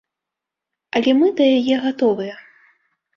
Але мы да яе гатовыя.